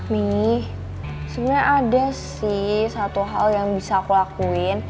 mie sebenarnya ada sih satu hal yang bisa aku lakuin